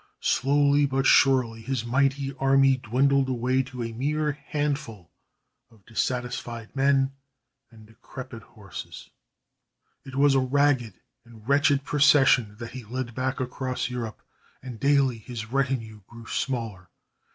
Slowly but surely his mighty army dwindled away to a mere handful of dissatisfied men and decrepit horses. It was a ragged and wretched procession that he led back across Europe, and daily his retinue grew smaller.